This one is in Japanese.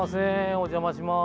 お邪魔します。